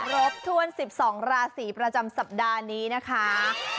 ครบถ้วน๑๒ราศีประจำสัปดาห์นี้นะคะ